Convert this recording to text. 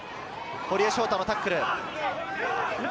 堀江翔太のタックル。